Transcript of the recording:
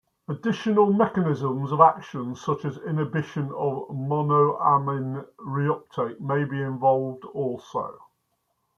Additional mechanisms of action such as inhibition of monoamine reuptake may be involved also.